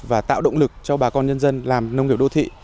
và tạo động lực cho bà con nhân dân làm nông nghiệp đô thị